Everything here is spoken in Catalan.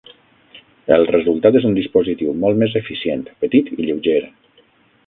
El resultat és un dispositiu molt més eficient, petit i lleuger.